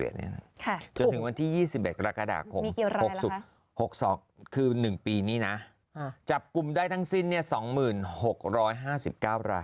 จนถึงวันที่๒๑กรกฎาคม๑ปีนี้นะจับกุมได้ทั้งสิ้นเนี่ย๒๖๕๙ราย